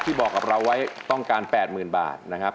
บอกกับเราไว้ต้องการ๘๐๐๐บาทนะครับ